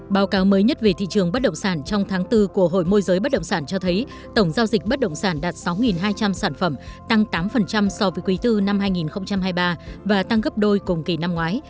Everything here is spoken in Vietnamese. báo cáo mới nhất về thị trường bất động sản trong tháng bốn của hội môi giới bất động sản cho thấy tổng giao dịch bất động sản đạt sáu hai trăm linh sản phẩm tăng tám so với quý iv năm hai nghìn hai mươi ba và tăng gấp đôi cùng kỳ năm ngoái